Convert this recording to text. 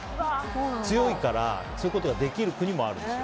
強いから、そういうことができる国もあるんですよ。